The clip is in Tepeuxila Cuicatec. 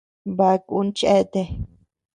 Baʼa kun cheatea.